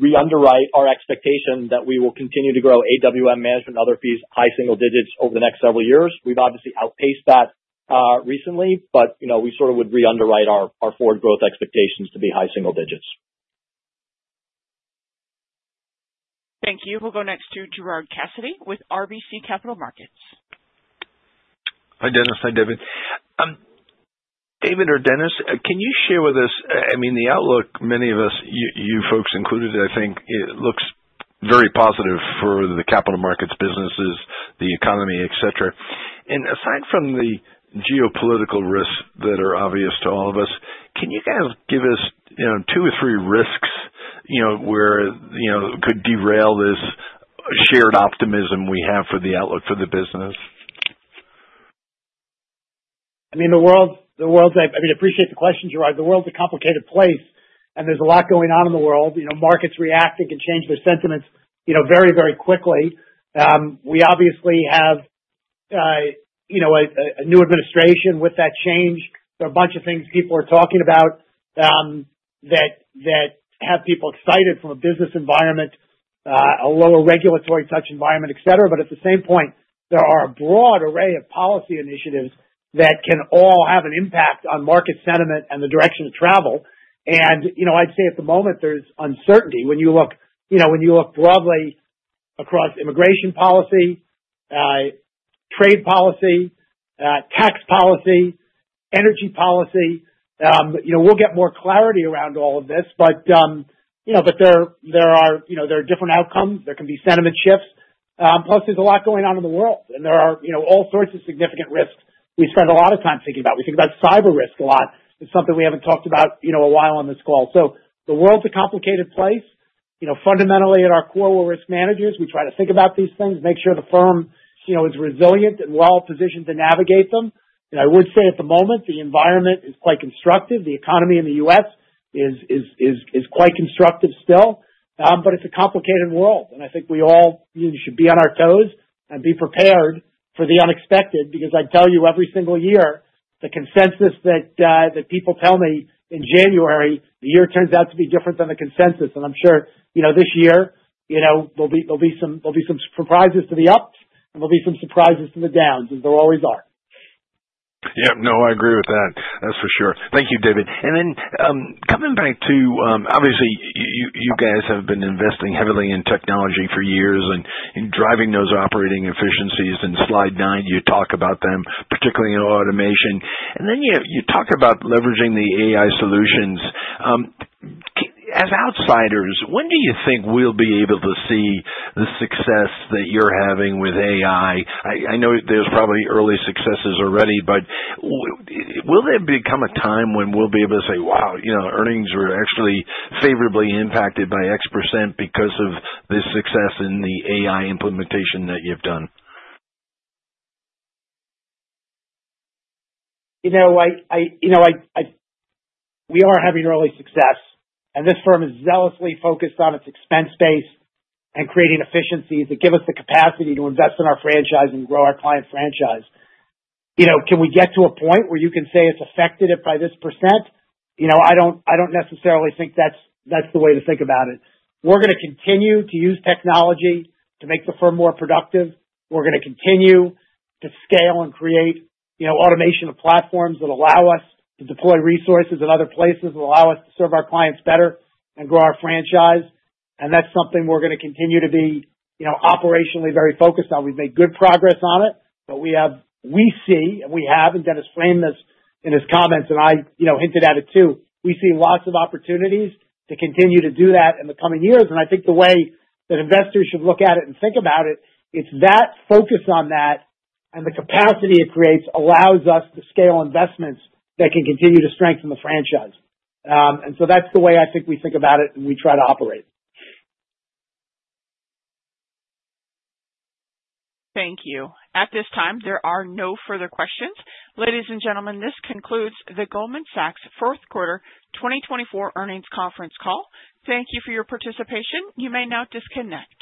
re-underwrite our expectation that we will continue to grow AWM management and other fees high single digits over the next several years. We've obviously outpaced that recently, but we sort of would re-underwrite our forward growth expectations to be high single digits. Thank you. We'll go next to Gerard Cassidy with RBC Capital Markets. Hi, Denis. Hi, David. David or Denis, can you share with us, I mean, the outlook many of us, you folks included, I think it looks very positive for the capital markets, businesses, the economy, etc. And aside from the geopolitical risks that are obvious to all of us, can you kind of give us two or three risks where it could derail this shared optimism we have for the outlook for the business? I mean, the world's - I mean, I appreciate the question, Gerard. The world's a complicated place, and there's a lot going on in the world. Markets react and can change their sentiments very, very quickly. We obviously have a new administration with that change. There are a bunch of things people are talking about that have people excited from a business environment, a lower regulatory touch environment, etc. But at the same point, there are a broad array of policy initiatives that can all have an impact on market sentiment and the direction of travel. And I'd say at the moment there's uncertainty when you look broadly across immigration policy, trade policy, tax policy, energy policy. We'll get more clarity around all of this, but there are different outcomes. There can be sentiment shifts. Plus, there's a lot going on in the world, and there are all sorts of significant risks we spend a lot of time thinking about. We think about cyber risk a lot. It's something we haven't talked about a while on this call. So the world's a complicated place. Fundamentally, at our core, we're risk managers. We try to think about these things, make sure the firm is resilient and well-positioned to navigate them. And I would say at the moment, the environment is quite constructive. The economy in the U.S. is quite constructive still, but it's a complicated world. And I think we all should be on our toes and be prepared for the unexpected because I tell you every single year, the consensus that people tell me in January, the year turns out to be different than the consensus. And I'm sure this year there'll be some surprises to the ups, and there'll be some surprises to the downs, as there always are. Yep. No, I agree with that. That's for sure. Thank you, David. And then coming back to, obviously, you guys have been investing heavily in technology for years and driving those operating efficiencies. In slide nine, you talk about them, particularly in automation. And then you talk about leveraging the AI solutions. As outsiders, when do you think we'll be able to see the success that you're having with AI? I know there's probably early successes already, but will there become a time when we'll be able to say, "Wow, earnings were actually favorably impacted by X% because of this success in the AI implementation that you've done"? You know what? We are having early success, and this firm is zealously focused on its expense base and creating efficiencies that give us the capacity to invest in our franchise and grow our client franchise. Can we get to a point where you can say it's affected by this percent? I don't necessarily think that's the way to think about it. We're going to continue to use technology to make the firm more productive. We're going to continue to scale and create automation platforms that allow us to deploy resources in other places that allow us to serve our clients better and grow our franchise. And that's something we're going to continue to be operationally very focused on. We've made good progress on it, but we see, and we have, and Denis framed this in his comments, and I hinted at it too, we see lots of opportunities to continue to do that in the coming years. And I think the way that investors should look at it and think about it, it's that focus on that and the capacity it creates allows us to scale investments that can continue to strengthen the franchise. And so that's the way I think we think about it and we try to operate. Thank you. At this time, there are no further questions. Ladies and gentlemen, this concludes the Goldman Sachs fourth quarter 2024 earnings conference call. Thank you for your participation. You may now disconnect.